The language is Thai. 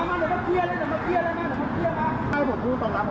ไม่ได้คนกลัวเลยเขา